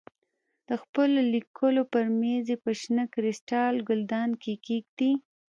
د خپلو لیکلو پر مېز یې په شنه کریسټال ګلدان کې کېږدې.